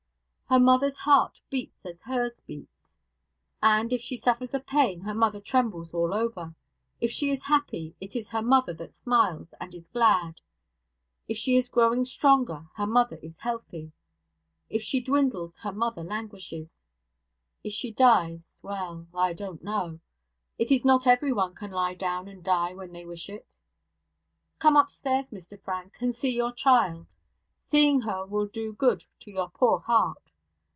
Her mother's heart beats as hers beats; and, if she suffers a pain, her mother trembles all over. If she is happy, it is her mother that smiles and is glad. If she is growing stronger, her mother is healthy: if she dwindles, her mother languishes. If she dies well, I don't know; it is not everyone can lie down and die when they wish it. Come upstairs, Mr Frank, and see your child. Seeing her will do good to your poor heart.